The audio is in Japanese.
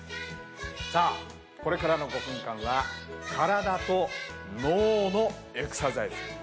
さあこれからの５分間は体と脳のエクササイズ。